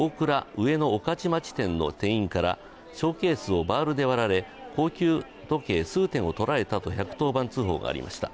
上野御徒町店の店員からショーケースをバールで割られ高級時計数点をとられたと１１０番通報がありました。